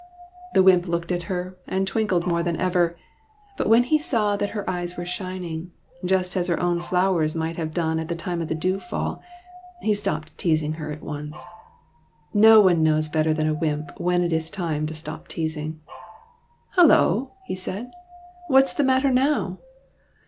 " The wymp looked at her and twinkled more than ever; but when he saw that her eyes were shining, just as her own flowers might have done at the time of the dew fall, he stopped teasing her at once. No one knows better than a wymp when it is time to stop teasing. ''Hullo!" he said. "What is the matter now